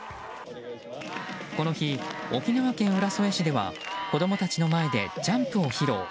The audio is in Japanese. この日、沖縄県浦添市では子供たちの前でジャンプを披露。